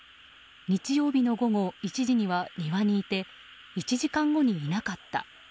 日曜日の午後１時には庭にいて１時間後にいなかった。